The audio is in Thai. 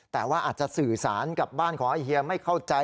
แต่ว่าอาจจะสื่อสารกับบ้านของไอเฮียไม่เข้าใจ